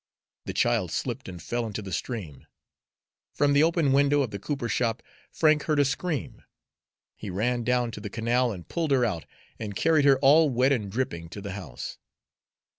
The child slipped and fell into the stream. From the open window of the cooper shop Frank heard a scream. He ran down to the canal and pulled her out, and carried her all wet and dripping to the house.